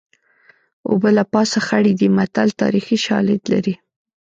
اوبه له پاسه خړې دي متل تاریخي شالید لري